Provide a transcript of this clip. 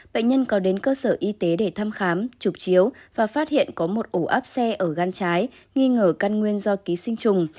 bệnh nhân có đến cơ sở y tế để thăm khám chụp chiếu và phát hiện có một ổ áp xe ở gan trái nghi ngờ căn nguyên do ký sinh trùng